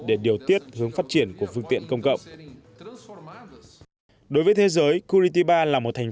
để điều tiết hướng phát triển của phương tiện công cộng đối với thế giới curitiba là một thành